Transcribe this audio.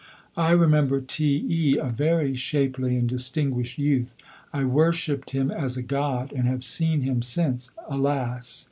I remember T e, a very shapely and distinguished youth. I worshipped him as a god, and have seen him since alas!